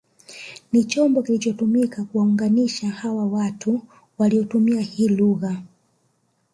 Ni chombo kilichotumika kuwaunganisha hawa watu waliotumia hii lugha